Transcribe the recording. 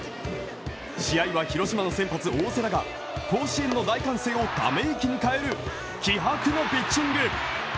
試合は広島の先発・大瀬良が甲子園の大歓声をため息に変える気迫のピッチング。